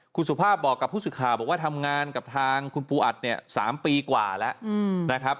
คุณสุภาพบอกกับผู้สื่อข่าวบอกว่าทำงานกับทางคุณปูอัดเนี่ย๓ปีกว่าแล้วนะครับ